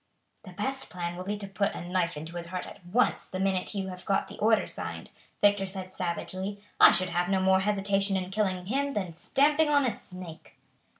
"The best plan will be to put a knife into his heart at once the minute you have got the order signed," Victor said savagely; "I should have no more hesitation in killing him than stamping on a snake."